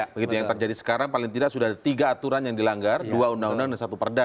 begitu yang terjadi sekarang paling tidak sudah ada tiga aturan yang dilanggar dua undang undang dan satu perda